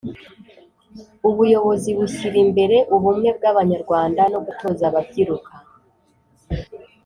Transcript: ubuyobozi bushyira imbere ubumwe bw Abanyarwanda no gutoza ababyiruka